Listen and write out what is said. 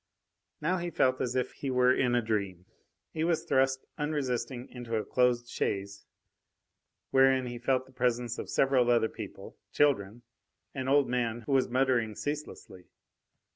Now he felt as if he were in a dream. He was thrust unresisting into a closed chaise, wherein he felt the presence of several other people children, an old man who was muttering ceaselessly.